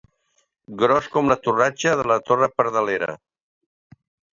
Gros com la torratxa de la torre Pardalera.